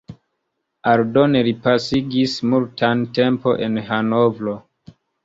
Aldone li pasigis multan tempon en Hanovro.